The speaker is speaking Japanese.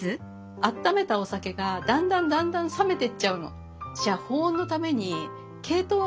あっためたお酒がだんだんだんだん冷めてっちゃうの。